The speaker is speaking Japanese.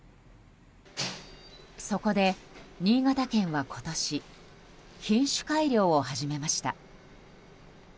そこで新潟県は今年品種改良を始めました。